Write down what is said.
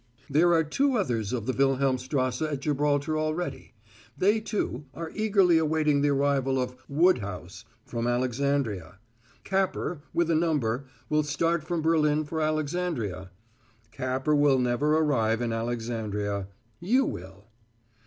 There are two others of the Wilhelmstrasse at Gibraltar already; they, too, are eagerly awaiting the arrival of 'Woodhouse' from Alexandria. Capper, with a number, will start from Berlin for Alexandria. Capper will never arrive in Alexandria. You will."